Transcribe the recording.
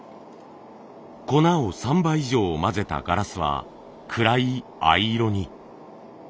粉を３倍以上混ぜたガラスは暗い藍色に。